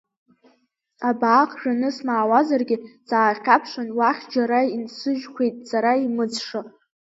Абаа хжәаны смаауазаргьы, саахьаԥшын, уахь џьара инсыжьқәеит сара имыӡша.